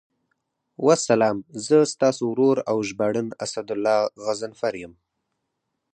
والسلام، زه ستاسو ورور او ژباړن اسدالله غضنفر یم.